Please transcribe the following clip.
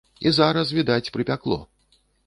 І зараз, відаць, прыпякло.